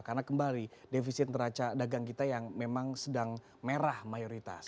karena kembali defisit neraca dagang kita yang memang sedang merah mayoritas